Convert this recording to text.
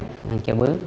nguyễn chiêu bứ